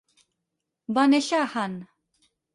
Va néixer a Hann.